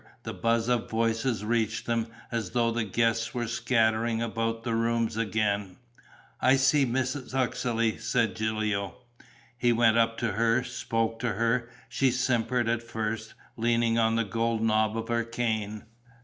The buzz of voices reached them, as though the guests were scattering about the rooms again: "I see Mrs. Uxeley," said Gilio. He went up to her, spoke to her. She simpered at first, leaning on the gold knob of her cane.